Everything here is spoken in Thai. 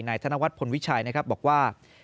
ธนวัฒนพลวิชัยนะครับบอกว่า